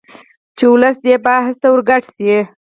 چې ولس دې بحث ته ورګډ شي